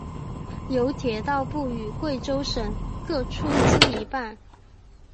由铁道部与贵州省各出资一半。